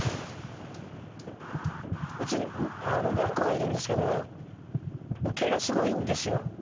うちにゃんこがいるんですけど毛がすごいんですよ。